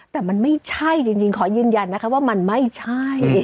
แต่มันไม่ใช่จริงขอยืนยันนะคะว่ามันไม่ใช่